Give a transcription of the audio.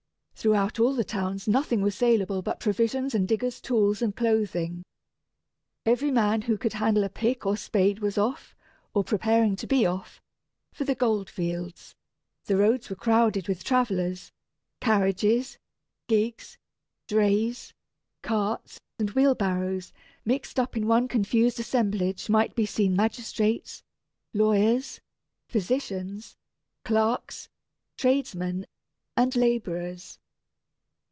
Throughout all the towns nothing was saleable but provisions and diggers' tools and clothing. Every man who could handle a pick or spade was off, or preparing to be off, for the gold fields. The roads were crowded with travellers, carriages, gigs, drays, carts, and wheelbarrows; mixed up in one confused assemblage might be seen magistrates, lawyers, physicians, clerks, tradesmen, and labourers.